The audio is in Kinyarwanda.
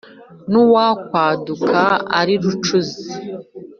n’uwakwaduka ari rucunzi